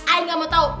ayah gak mau tau